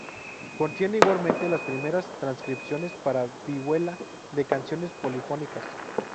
Contiene igualmente las primeras transcripciones para vihuela de canciones polifónicas.